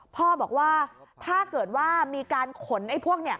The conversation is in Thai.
พ่อบอกว่าถ้าเกิดว่ามีการขนไอ้พวกเนี่ย